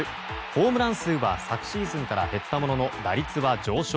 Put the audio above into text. ホームラン数は昨シーズンから減ったものの打率は上昇。